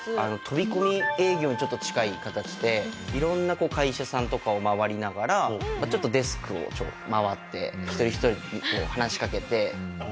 飛び込み営業にちょっと近い形で色んな会社さんとかを回りながらちょっとデスクを回って。